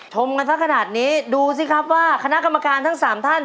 ชมกันสักขนาดนี้ดูสิครับว่าคณะกรรมการทั้งสามท่าน